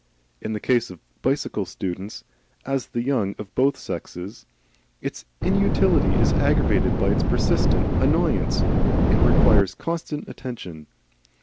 In the case of bicycle students, as in the young of both sexes, its inutility is aggravated by its persistent annoyance it requires constant attention.